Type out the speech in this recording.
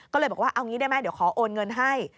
ก็เลยบอกว่าเอางี้ได้ไหมเดี๋ยวขอโอนเงินให้